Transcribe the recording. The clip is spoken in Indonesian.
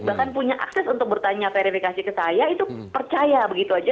bahkan punya akses untuk bertanya verifikasi ke saya itu percaya begitu aja